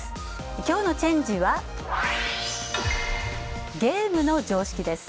きょうのチェンジ！はゲームの常識です。